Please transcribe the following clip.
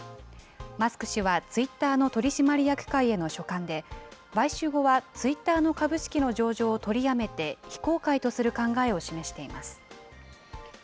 マスク氏はツイッターの取締役会への書簡で、買収後はツイッターの株式の上場を取りやめて、非公開とする考えを示しています。